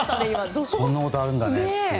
そんなことあるんだねって。